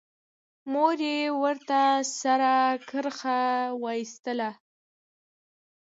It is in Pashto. مور يې ورته سره کرښه وايستله.